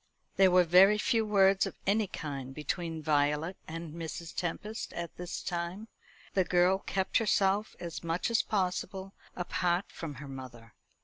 There were very few words of any kind between Violet and Mrs. Tempest at this time. The girl kept herself as much as possible apart from her mother.